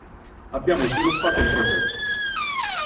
Abbiamo sviluppato un progetto.